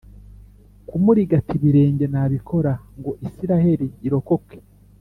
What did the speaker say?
kumurigata ibirenge nabikora ngo israheli irokoke.